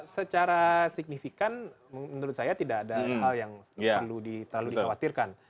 secara signifikan menurut saya tidak ada hal yang perlu terlalu dikhawatirkan